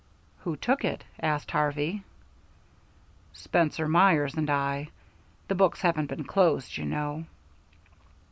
"Who took it?" asked Harvey. "Spencer, Myers, and I. The books haven't been closed, you know."